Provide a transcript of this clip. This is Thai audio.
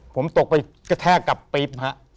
ผมตกไปกระแทกกับปริ๊บฮะ